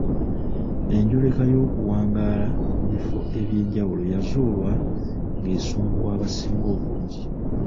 Enjoleka y’okuwangaala mu bifo eby’enjawulo yazuulwa ng’esumbuwa abasinga obungi.